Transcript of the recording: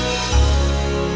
ampun gusti prabu